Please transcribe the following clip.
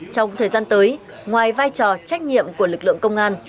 trong thời gian tới ngoài vai trò trách nhiệm của lực lượng công an